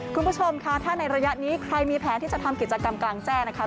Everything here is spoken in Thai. คุณผู้ชมค่ะถ้าในระยะนี้ใครมีแผนที่จะทำกิจกรรมกลางแจ้งนะคะ